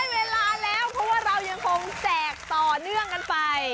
เวลาแล้วเพราะว่าเรายังคงแจกต่อเนื่องกันไป